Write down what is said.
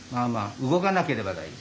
動かなければ大丈夫？